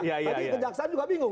tapi kejaksaan juga bingung